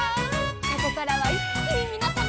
「ここからはいっきにみなさまを」